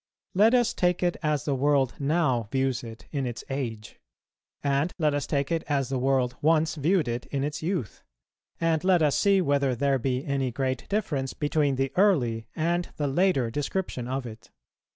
Let us take it as the world now views it in its age; and let us take it as the world once viewed it in its youth, and let us see whether there be any great difference between the early and the later description of it.